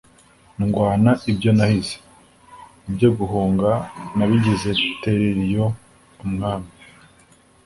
Ndwana ibyo nahize, ibyo guhunga nabigize terera iyo, umwami